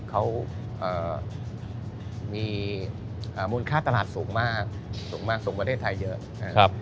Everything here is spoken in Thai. เขามีมูลค่าตลาดสูงมากสูงประเทศไทยเยอะ